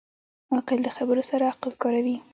عاقل د خبرو سره عقل کاروي.